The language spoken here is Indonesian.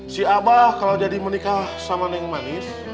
si abah kalau jadi menikah sama nenek manis